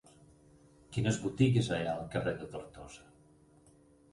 Quines botigues hi ha al carrer de Tortosa?